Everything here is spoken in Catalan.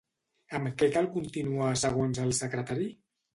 Amb què cal continuar segons el secretari?